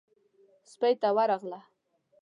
سپۍ ته ورغله.